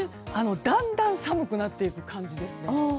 だんだん寒くなっていく感じですね。